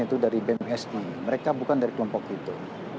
itu dari bmsi mereka bukan dari kelompok itu